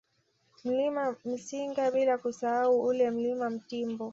Mlima Msinga bila kusahau ule Mlima Mtimbo